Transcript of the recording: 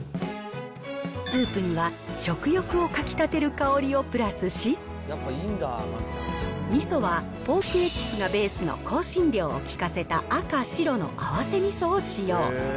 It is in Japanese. スープには食欲をかきたてる香りをプラスし、味噌はポークエキスがベースの香辛料を効かせた、赤、白の合わせ味噌を使用。